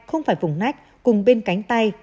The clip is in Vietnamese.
không phải phùng nách cùng bên cánh tay